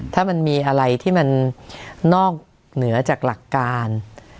ถ้ามันมีอะไรที่มันนอกเหนือจากหลักการ